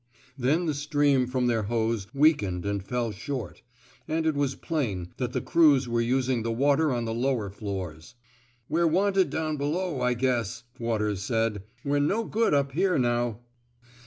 Then the stream from their hose weakened and fell short; and it was plain that the crews were using the water on the lower floors. We're wanted down below, I guess, Waters said. We*re no good up here now.